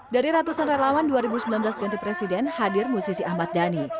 dari ratusan relawan dua ribu sembilan belas ganti presiden hadir musisi ahmad dhani